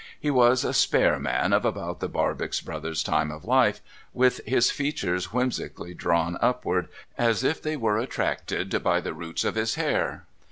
He was a spare man of about the Barbox Brothers time of life, with his features whimsically drawn upward as if they were attracted by the roots of his hair.